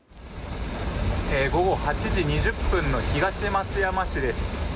午後８時２０分の東松山市です。